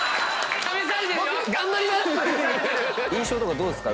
印象どうですか？